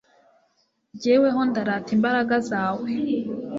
jyeweho ndarata imbaraga zawe